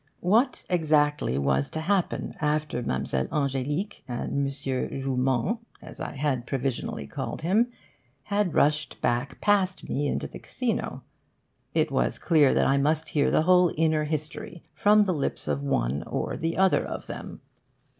What, exactly, was to happen after Mlle. Ange'lique and M. Joumand (as I provisionally called him) had rushed back past me into the casino? It was clear that I must hear the whole inner history from the lips of one or the other of them.